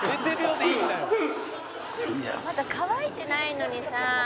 「まだ乾いてないのにさ」